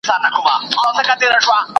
چي په اهاړ کي مي سوځلي وي د پلونو نښي .